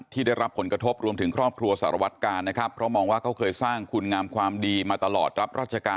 ที่ได้รับผลกระทบรวมถึงครอบครัวสารวัตกานะครับ